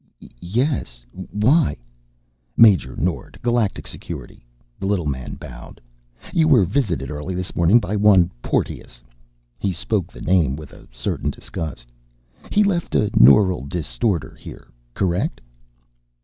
"Y Yes. Why " "Major Nord, Galactic Security." The little man bowed. "You were visited early this morning by one Porteous." He spoke the name with a certain disgust. "He left a neural distorter here. Correct?"